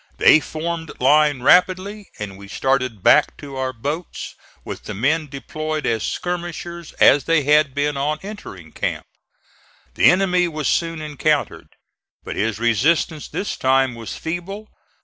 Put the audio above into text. They formed line rapidly and we started back to our boats, with the men deployed as skirmishers as they had been on entering camp. The enemy was soon encountered, but his resistance this time was feeble.